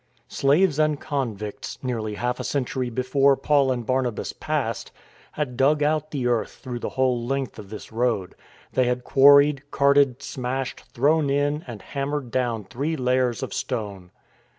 Slaves and convicts, nearly half a century before Paul and Barnabas passed, had dug out the earth through the whole length of this road; they had quarried, carted, smashed, thrown in, and hammered down three layers of stone.